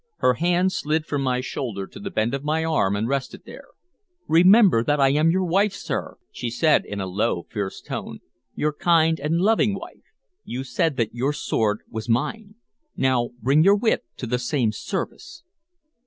Her hand slid from my shoulder to the bend of my arm and rested there. "Remember that I am your wife, sir," she said in a low, fierce voice, "your kind and loving wife. You said that your sword was mine; now bring your wit to the same service!"